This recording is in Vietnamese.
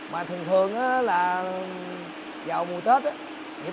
mà thường thường là vào mùa tết